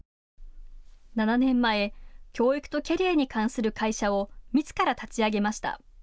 ７年前、教育とキャリアに関する会社をみずから立ち上げました。